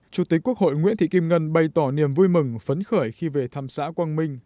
chủ tịch quốc hội nguyễn thị kim ngân bày tỏ niềm vui mừng phấn khởi khi về thăm xã quang minh